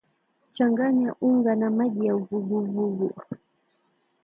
Changanya unga na maji ya uvuguvugu